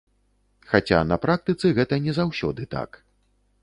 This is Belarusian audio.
Хаця, на практыцы, гэта не заўсёды так.